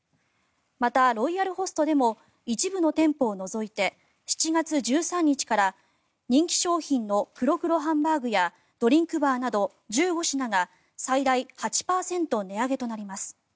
また、ロイヤルホストでも一部の店舗を除いて７月１３日から人気商品の黒×黒ハンバーグやドリンクバーなど１５品が最大８％値上げとなります。